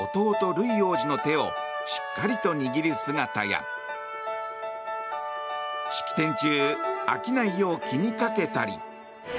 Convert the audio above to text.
ルイ王子の手をしっかりと握る姿や式典中、飽きないよう気にかけたり。